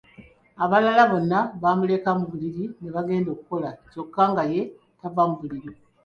Abalala bonna bamuleka mu buliri ne bagenda okukola kyokka nga ye tava mu buliri.